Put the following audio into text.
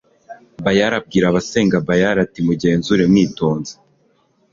bayali abwira abasenga bayali ati mugenzure mwitonze